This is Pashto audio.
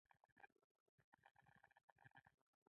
چې مجبور دي په خوشبینۍ کې ژوند وکړي.